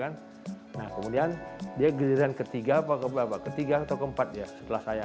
nah kemudian dia giliran ketiga atau keempat setelah saya